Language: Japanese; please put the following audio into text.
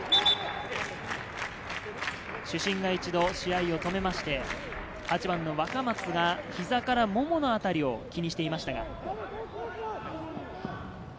主審が一度、試合を止めまして、８番の若松が膝からもものあたりを気にしていましたが。